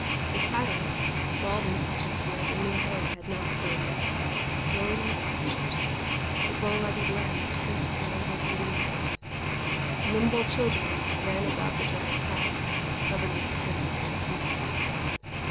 The cattle, bald in patches where the new hair had not grown yet, lowed in the pastures; the bowlegged lambs frisked round their bleating mothers. Nimble children ran about the drying paths, covered with the prints of bare feet.